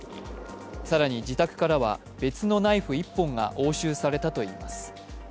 更に自宅からは別のナイフ１本が押収されたといいます。